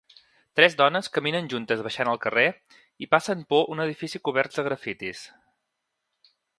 Tres dones caminen juntes baixant el carrer i passen por un edifici coberts de grafitis.